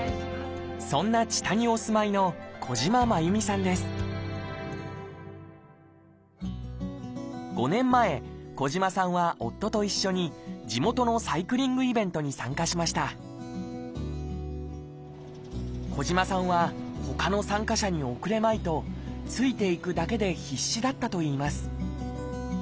そんな知多にお住まいの５年前小島さんは夫と一緒に地元のサイクリングイベントに参加しました小島さんはほかの参加者に遅れまいとついていくだけで必死だったといいます